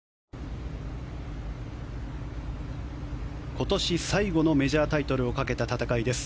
今年最後のメジャータイトルをかけた戦いです。